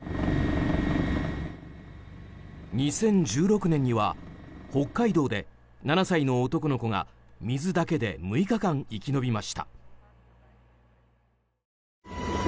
２０１６年には北海道で７歳の男の子が水だけで６日間生き延びました。